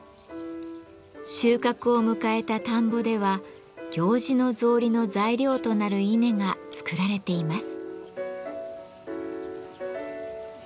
収穫を迎えた田んぼでは行司の草履の材料となる稲が作られています。